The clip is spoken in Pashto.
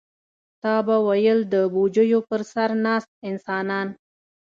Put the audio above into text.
تا به ویل د بوجیو پر سر ناست انسانان.